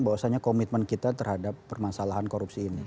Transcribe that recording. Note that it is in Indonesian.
bahwasanya komitmen kita terhadap permasalahan korupsi ini